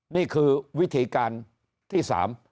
นี่คือวิธีการที่สาม